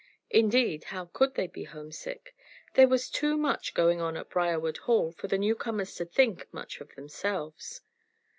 Indeed, how could they be homesick? There was too much going on at Briarwood Hall for the newcomers to think much of themselves.